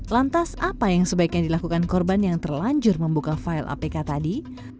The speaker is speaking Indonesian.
lantas apa yang sebaiknya dilakukan korban yang terlanjur membuka file apk tadi